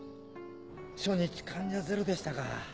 初日患者ゼロでしたか。